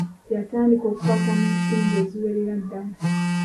Yatandika okukwata ku nsimbi eziwerera ddala.